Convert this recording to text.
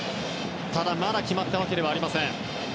ただ、まだ決まったわけではありません。